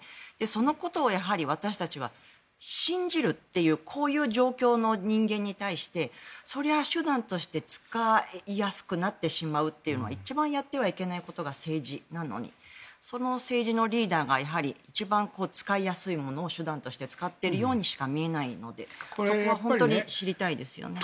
そのことを私たちは信じるというこういう状況の人間に対してそれは手段として使いやすくなってしまうというのは一番やってはいけないことが政治なのにその政治のリーダーが一番使いやすいものを手段として使ってるようにしか見えないのでそこは本当に知りたいですよね。